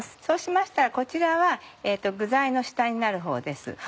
そうしましたらこちらは具材の下になるほうです。